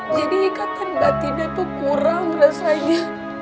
jadi ikatan batinnya tuh kurang rasanya